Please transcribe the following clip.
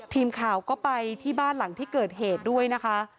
ทีมข่าวก็ไปที่บ้านหลังที่เกิดเหตุด้วยนะคะ